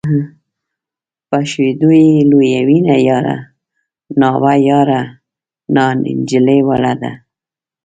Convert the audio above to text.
په شیدو یې لویوینه یاره نا وه یاره نا نجلۍ وړه ده.